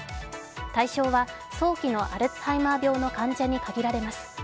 対象は早期のアルツハイマー病の患者に限られます。